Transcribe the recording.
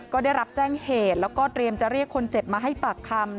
ก็ได้รับแจ้งเหตุแล้วก็เตรียมจะเรียกคนเจ็บมาให้ปากคำ